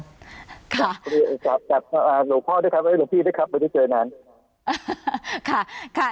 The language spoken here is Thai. กับหลวงพ่อด้วยครับหลวงพี่ด้วยครับไม่ได้เจอนาน